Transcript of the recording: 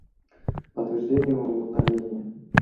Подтверждение удаления